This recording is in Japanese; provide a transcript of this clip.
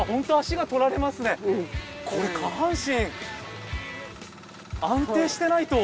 これ下半身安定してないと。